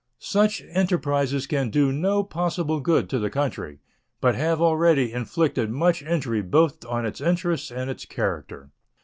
Such enterprises can do no possible good to the country, but have already inflicted much injury both on its interests and its character.